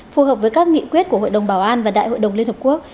phù hợp với các nghị quyết của hội đồng bảo an và đại hội đồng liên hợp quốc